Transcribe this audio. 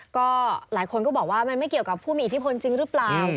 ก็หลายคนก็บอกว่ามันไม่เกี่ยวกับผู้มีอิทธิพลจริงหรือเปล่า